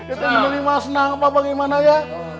kita menerima senang apa bagaimana ya